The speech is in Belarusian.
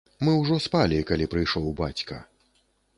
Мы ўжо спалі, калі прыйшоў бацька.